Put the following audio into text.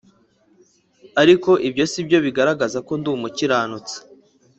Ariko ibyo si byo bigaragaza ko ndi umukiranutsi